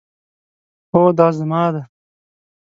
هو، دا زما دی